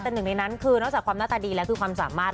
แต่หนึ่งในนั้นคือนอกจากความหน้าตาดีแล้วคือความสามารถ